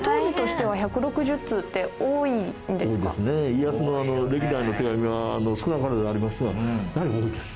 家康の歴代の手紙は少なからずありますがやはり多いです。